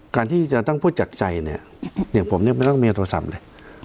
การที่จะต้องพูดจากใจผมเนี้ยไม่ต้องมีแอร์โทรศัพท์เลย